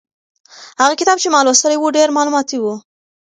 هغه کتاب چې ما لوستلی و ډېر مالوماتي و.